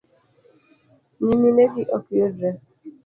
nyiminegi ok yudre